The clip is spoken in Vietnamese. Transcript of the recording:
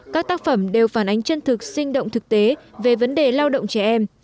các tác phẩm đều phản ánh chân thực sinh động thực tế về vấn đề lao động trẻ em